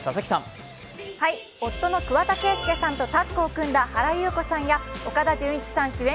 夫の桑田佳祐さんとタッグを組んだ原由子さんや岡田准一さん主演